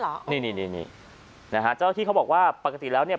นี่นี่นี่นะฮะเจ้าที่เขาบอกว่าปกติแล้วเนี่ย